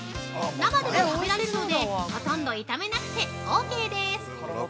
生でも食べられるのでほとんど炒めなくてオーケーです。